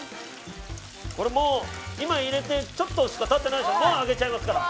これもう今入れてちょっとしか経ってないけどもう上げちゃいますから。